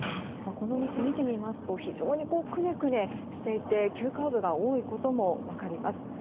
この道、見てみますと非常にくねくねしていて急カーブが多いことも分かります。